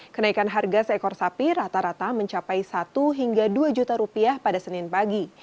kenaikan harga seekor sapi rata rata mencapai satu hingga dua juta rupiah pada senin pagi